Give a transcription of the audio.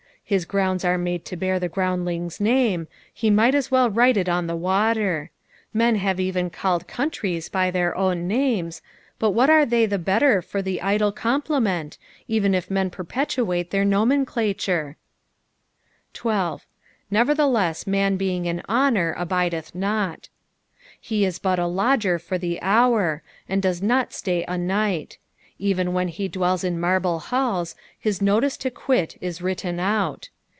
His grounds are made to bear the groundling's name, he might as well write it on the water. Hen have even called countries by their own names, but what are they the better for the idle compliment, even if men perpetuate their nomenclature } 12. " Neoffthelem man being in honour abideth jiof," Ho is but a lodger for the hour, and does not stay a night ; even when he dwells in marble halls his notice to quit is written out.